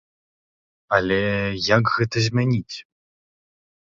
Але як гэта змяніць?